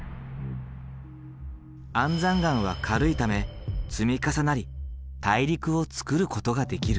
安山岩は軽いため積み重なり大陸をつくることができる。